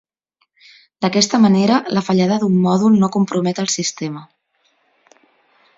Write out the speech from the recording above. D'aquesta manera la fallada d'un mòdul no compromet el sistema.